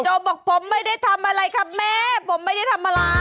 บอกผมไม่ได้ทำอะไรครับแม่ผมไม่ได้ทำอะไร